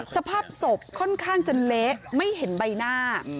สภาพศพค่อนข้างจะเละไม่เห็นใบหน้า